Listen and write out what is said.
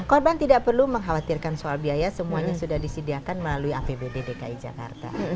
korban tidak perlu mengkhawatirkan soal biaya semuanya sudah disediakan melalui apbd dki jakarta